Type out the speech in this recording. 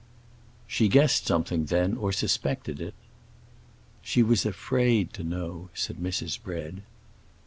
"She guessed something, then, or suspected it." "She was afraid to know," said Mrs. Bread.